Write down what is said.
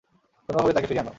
কোনভাবে তাকে ফিরিয়ে আন!